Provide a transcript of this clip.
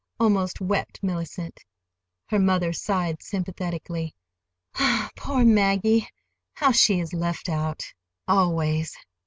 almost wept Mellicent. Her mother sighed sympathetically. "Poor Maggie! How she is left out—always!"